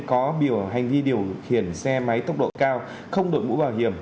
có biểu hành vi điều khiển xe máy tốc độ cao không đội mũ bảo hiểm